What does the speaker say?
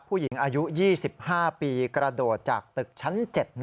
ผู้หญิงอายุ๒๕ปีกระโดดจากตึกชั้น๗